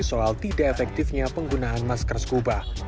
soal tidak efektifnya penggunaan masker scuba